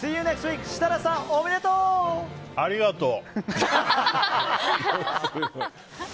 設楽さん、おめでとう！